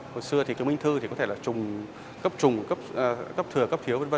hồi xưa thì cái minh thư thì có thể là trùng cấp trùng cấp thừa cấp thiếu v v